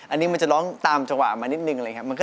อันนี้มันจะร้องตามจังหวะมานิดนึงอะไรอย่างนี้